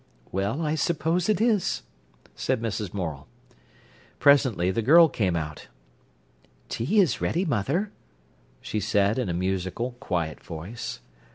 "Well, I suppose it is," said Mrs. Morel. Presently the girl came out. "Tea is ready, mother," she said in a musical, quiet voice.